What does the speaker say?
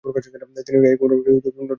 তিনি এই কুমিরের পিঠে চড়ে নদী পার হতেন।